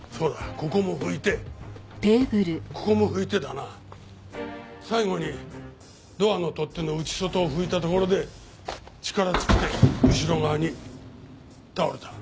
ここも拭いてここも拭いてだな最後にドアの取っ手の内外を拭いたところで力尽きて後ろ側に倒れた。